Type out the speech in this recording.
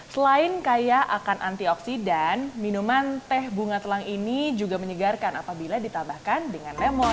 selain kaya akan antioksidan minuman teh bunga telang ini juga menyegarkan apabila ditambahkan dengan lemon